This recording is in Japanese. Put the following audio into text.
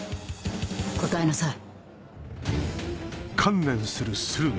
答えなさい。